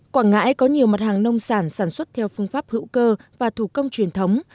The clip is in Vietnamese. quảng ngãi có nhiều mặt hàng nông sản sản xuất theo phương pháp hữu cơ và thủ công truyền thống